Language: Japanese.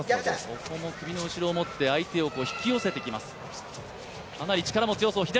ここも首の後ろを持って相手を引き寄せてきます。